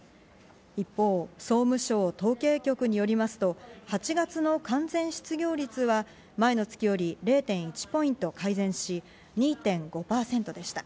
一方、総務省統計局によりますと、８月の完全失業率は前の月より０．１ポイント改善し２．５％でした。